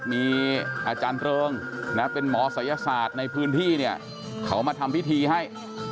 มีอาจารย์เริงนะเป็นหมอศัยศาสตร์ในพื้นที่เนี่ยเขามาทำพิธีให้